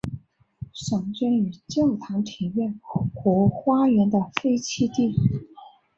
常见于教堂庭院或花园的废弃地。